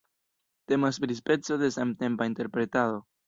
Temas pri speco de samtempa interpretado.